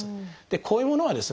こういうものはですね